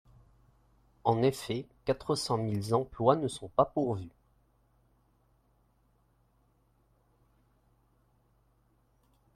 En effet, quatre cent mille emplois ne sont pas pourvus